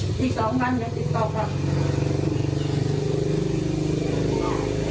แต่ลูกของเธอน่ะยังไม่อยากกลับ